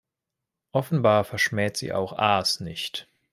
Offenbar verschmäht sie auch Aas nicht.